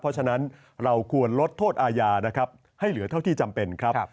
เพราะฉะนั้นเราควรลดโทษอาญานะครับให้เหลือเท่าที่จำเป็นครับ